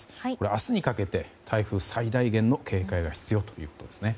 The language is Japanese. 明日にかけて台風最大限の警戒が必要ということですね。